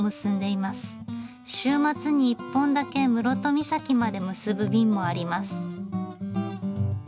週末に一本だけ室戸岬まで結ぶ便もあります。